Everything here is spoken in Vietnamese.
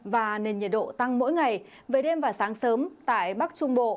và nền nhiệt độ tăng mỗi ngày về đêm và sáng sớm tại bắc trung bộ